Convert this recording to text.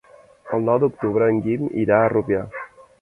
El nou d'octubre en Guim irà a Rupià.